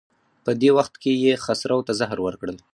په دې وخت کې یې خسرو ته زهر ورکړل.